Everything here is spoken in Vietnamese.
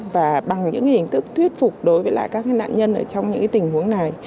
và bằng những hình thức thuyết phục đối với lại các nạn nhân trong những tình huống này